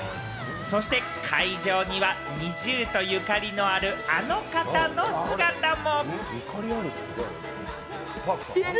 そして、会場にはＮｉｚｉＵとゆかりのある、あの方の姿も。